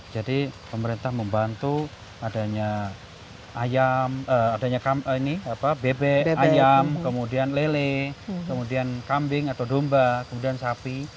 jadi pemerintah membantu adanya ayam adanya bebek ayam kemudian lele kemudian kambing atau domba kemudian sapi